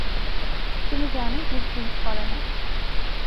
তুমি জানো, Vic drinks করেনা।